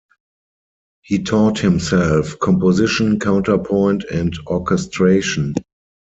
He taught himself composition, counterpoint and orchestration.